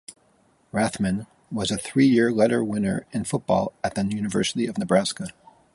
Rathman was a three-year letter winner in football at the University of Nebraska.